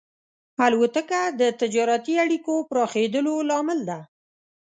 الوتکه د تجارتي اړیکو پراخېدلو لامل ده.